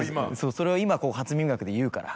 それを今『初耳学』で言うから。